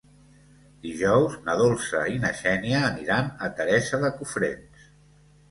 Dijous na Dolça i na Xènia aniran a Teresa de Cofrents.